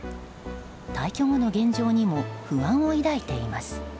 退去後の現状にも不安を抱いています。